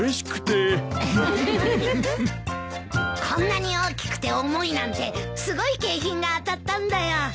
こんなに大きくて重いなんてすごい景品が当たったんだよ。